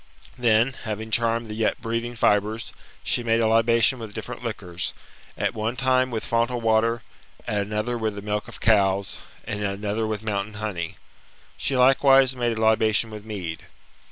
*'Then, having charmed the yet breathing fibres, she made a libation with different liquors, at one time with fontal water, at another with the milk of cows, and at another with mountain honey. She likewise made a libation with mead.